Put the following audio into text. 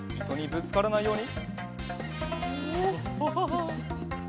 ぶつからないように。